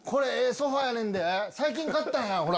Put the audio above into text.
ソファやねんで最近買ったんやほら。